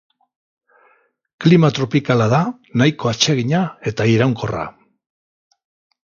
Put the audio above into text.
Klima tropikala da, nahiko atsegina eta iraunkorra.